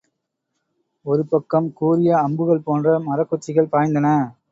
ஒரு பக்கம் கூரிய அம்புகள் போன்ற மரக்குச்சிகள் பாய்ந்தன.